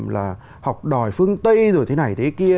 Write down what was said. là học đòi phương tây rồi thế này thế kia